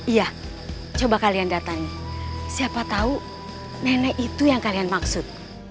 iya coba kalian datang siapa tahu nenek itu yang kalian maksud